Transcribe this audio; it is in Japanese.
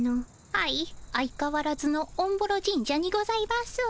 はい相かわらずのおんぼろ神社にございます。